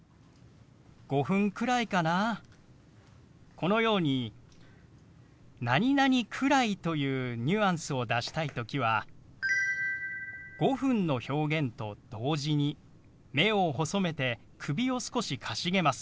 このように「くらい」というニュアンスを出したい時は「５分」の表現と同時に目を細めて首を少しかしげます。